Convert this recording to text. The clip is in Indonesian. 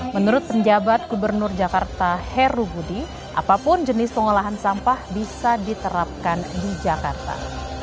menurut penjabat gubernur jakarta heru budi apapun jenis pengolahan sampah bisa diterapkan di jakarta